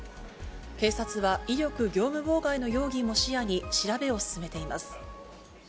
警察は威力業務妨害の容疑も視野に調べを進めています。